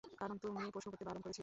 কারণ তুমি প্রশ্ন করতে বারণ করেছিলে।